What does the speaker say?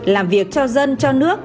làm việc cho dân cho nước